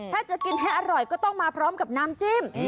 ถ้าจะกินให้อร่อยก็ต้องมาพร้อมกับน้ำจิ้ม